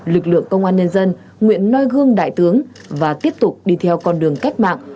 lực lượng công an nhân dân nguyện noi gương đại tướng và tiếp tục đi theo con đường cách mạng